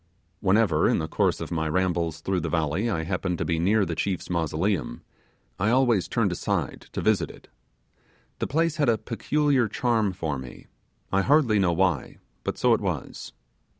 Whenever, in the course of my rambles through the valley I happened to be near the chief's mausoleum, I always turned aside to visit it. The place had a peculiar charm for me; I hardly know why, but so it was.